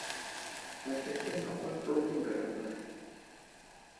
Apesleŋ akwar ɗu məgəra may ?